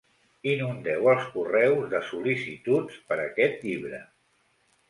Inundeu els correus de sol·licituds per aquest llibre.